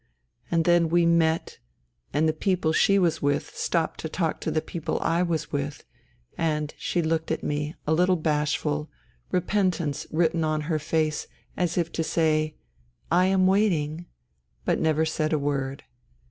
And then we met, and the people she was with stopped to talk to the people I was with, and she looked at me, a little bashful, " repentance " written on her face, as if to say, " I am waiting "— but never said a word.